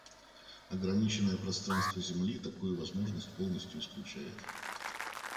Ограниченное пространство Земли такую возможность полностью исключает.